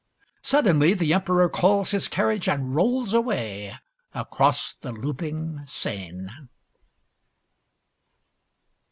Suddenly the Emperor calls his carriage and rolls away across the looping Seine.